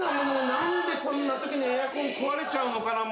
何でこんなときにエアコン壊れちゃうのかな